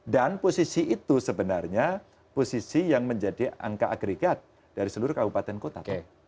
dan posisi itu sebenarnya posisi yang menjadi angka agregat dari seluruh kabupaten kota